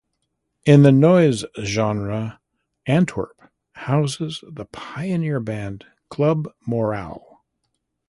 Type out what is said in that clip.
In the noise genre Antwerp houses the pioneer band Club Moral.